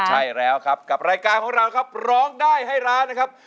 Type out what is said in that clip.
ใช่แล้วครับกับรายการของเราครับร้องได้ให้ร้านนะครับ